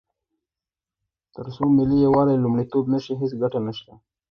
تر څو ملي یووالی لومړیتوب نه شي، هیڅ ګټه نشته.